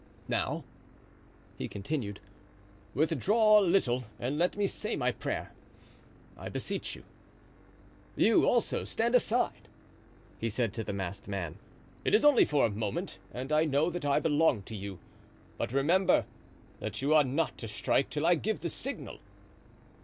"Now," he continued, "withdraw a little and let me say my prayer, I beseech you. You, also, stand aside," he said to the masked man. "It is only for a moment and I know that I belong to you; but remember that you are not to strike till I give the signal."